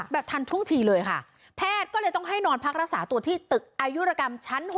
ทันทุ่งทีเลยค่ะแพทย์ก็เลยต้องให้นอนพักรักษาตัวที่ตึกอายุรกรรมชั้น๖